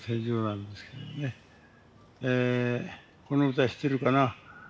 この歌知ってるかな。